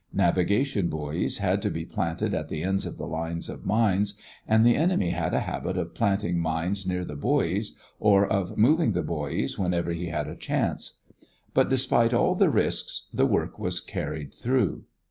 Navigation buoys had to be planted at the ends of the lines of mines and the enemy had a habit of planting mines near the buoys or of moving the buoys whenever he had a chance. But despite all risks the work was carried through.